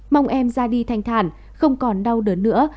mong em ra đi thanh thản không còn đau đớn nữa